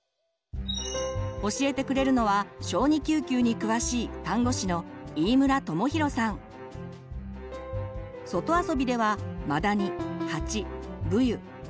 教えてくれるのは小児救急に詳しい外遊びではマダニハチブユ蚊